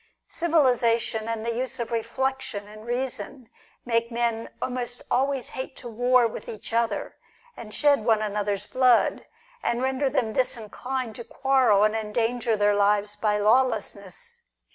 Civilisation, and the use of reflection and reason, make men almost always hate to war with each other and shed one another's blood, and render them disinclined to quarrel, and endanger their lives by lawlessness.